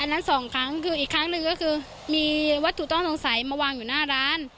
นั้นสองครั้งคืออีกครั้งหนึ่งก็คือมีวัตถุต้องสงสัยมาวางอยู่หน้าร้าน